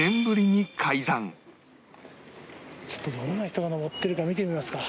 ちょっとどんな人が登ってるか見てみますか。